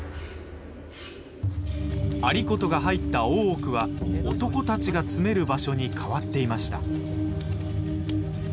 有功が入った大奥は男たちが詰める場所に変わっていました。